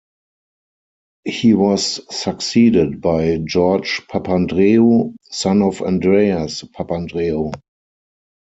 He was succeeded by George Papandreou, son of Andreas Papandreou.